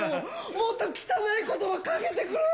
もっと汚いことば、かけてくれよ。